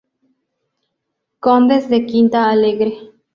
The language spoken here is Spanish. Condes de Quinta Alegre.